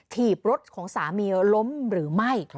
ถีบรถของสามีล้มหรือไม่